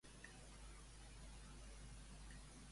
Qui li fan costat?